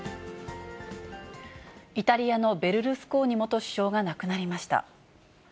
イタリアのベルルスコーニ元首相が亡くなりました。